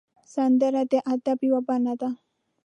سندره د ادب یو بڼه ده